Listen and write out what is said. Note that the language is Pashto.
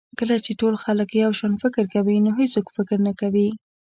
کله چې ټول خلک یو شان فکر کوي نو هېڅوک فکر نه کوي.